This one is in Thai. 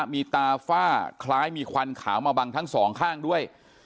มีตาฝ้าคล้ายมีควันขาวมาบังทั้งสองข้างด้วย